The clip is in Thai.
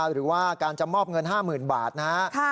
หรือว่าการจะมอบเงิน๕๐๐๐บาทนะครับ